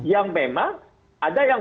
yang memang ada yang